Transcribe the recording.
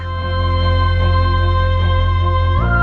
dia memang pun bahkan tidur saja